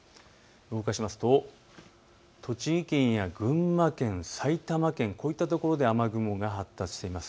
動かしますと栃木県や群馬県、埼玉県、こういった所で雨雲が発達しています。